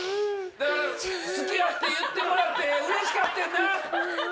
好きやって言ってもらってうれしかってんな？